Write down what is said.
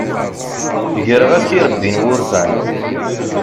Greɣ-as irebbi n wurfan.